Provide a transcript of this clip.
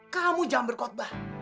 kamu jangan berkotbah